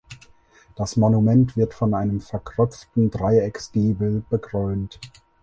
Das Monument wird von einem verkröpften Dreiecksgiebel bekrönt.